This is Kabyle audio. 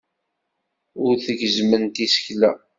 Ur tgezzmemt isekla.